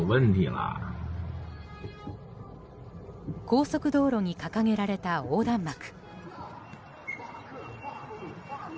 高速道路に掲げられた横断幕。